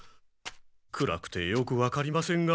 暗くてよくわかりませんが。